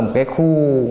một cái khu